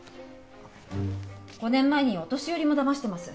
５年前にはお年寄りも騙してます。